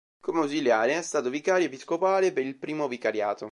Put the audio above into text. Come ausiliare, è stato vicario episcopale per il I vicariato.